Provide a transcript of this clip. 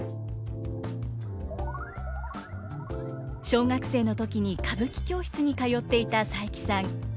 小学生の時に歌舞伎教室に通っていた佐伯さん。